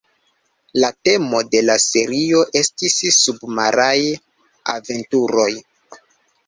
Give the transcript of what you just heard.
La temo de la serio estis submaraj aventuroj.